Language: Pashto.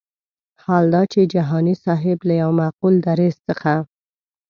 حال دا چې جهاني صاحب له یو معقول دریځ څخه.